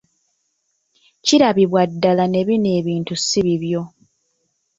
Kirabibwa ddala ne bino ebintu si bibyo.